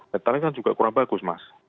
datanya kan juga kurang bagus mas